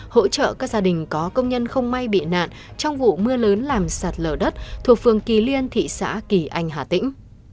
hỗ trợ các gia đình có công nhân không may bị nạn trong vụ mưa lớn làm sạt lở đất thuộc phường kỳ liên thị xã kỳ anh hà tĩnh